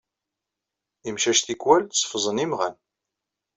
Imcac tikkewal teffẓen imɣan.